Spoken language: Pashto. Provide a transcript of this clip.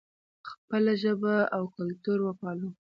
خپله ژبه او کلتور وپالو.